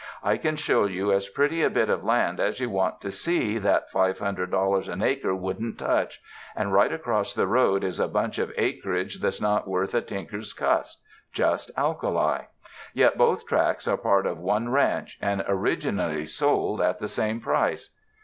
I can show you as pretty a bit of land as you want to see, that five hundred dollars an acre wouldn't touch, and right across the road is a bunch of acreage that's not worth a tinker's cuss — just alkali. Yet both tracts are part of one ranch and originally sold at the same price.